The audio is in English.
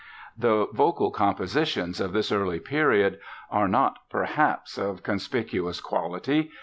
The vocal compositions of this early period are not, perhaps, of conspicuous quality.